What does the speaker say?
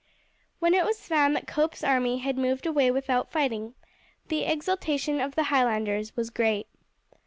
When it was found that Cope's army had moved away without fighting, the exultation of the Highlanders was great.